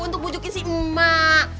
untuk pujukin si emak